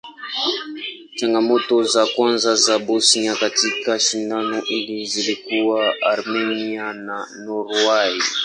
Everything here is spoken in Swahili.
Changamoto za kwanza za Bosnia katika shindano hili zilikuwa Armenia na Norway.